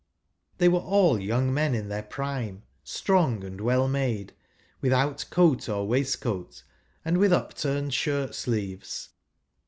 They were all young men in their prime, strong, and well made ; without coat or waistcoat, and with upturned shirt sleeves.